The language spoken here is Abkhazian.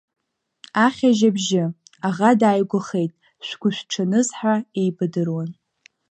Ахьажь абжьы, аӷа дааигәахеит шәгәышәҽаныз ҳәа еибадыруан.